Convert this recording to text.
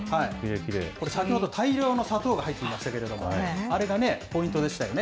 これ、先ほど大量の砂糖が入っていましたけれども、あれがポイントでしたよね。